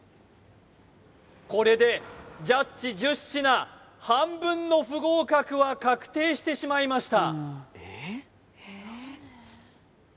これでジャッジ１０品半分の不合格は確定してしまいました